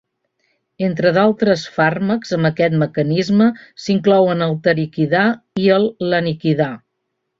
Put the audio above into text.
Entre d'altres fàrmacs amb aquest mecanisme s'inclouen el tariquidar i el laniquidar.